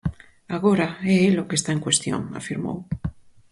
Agora "é el o que está en cuestión", afirmou.